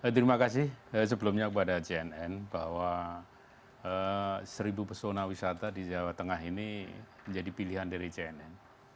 terima kasih sebelumnya kepada cnn bahwa seribu pesona wisata di jawa tengah ini menjadi pilihan dari cnn